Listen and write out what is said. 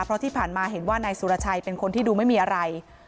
เพราะที่ผ่านมาเห็นว่านายสุรชัยเป็นคนที่ดูไม่มีอะไร